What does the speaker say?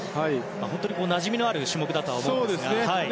本当になじみある種目だと思うんですが。